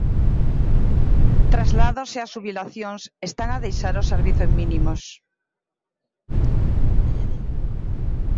Traslados e as xubilacións, están a deixar o servizo en mínimos.